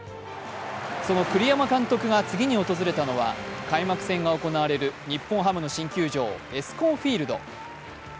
その栗山監督が次に訪れたのは開幕戦が行われる日本ハムの新球場ＥＳＣＯＮＦＩＥＬＤ。